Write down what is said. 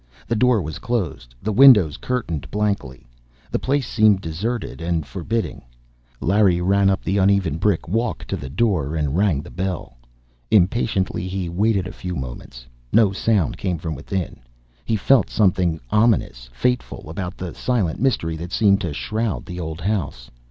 The door was closed, the windows curtained blankly. The place seemed deserted and forbidding. Larry ran up the uneven brick walk to the door and rang the bell. Impatiently, he waited a few moments. No sound came from within. He felt something ominous, fateful, about the silent mystery that seemed to shroud the old house.